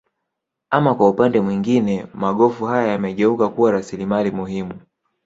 Ama kwa upande mwingine magofu haya yamegeuka kuwa rasilimali muhimu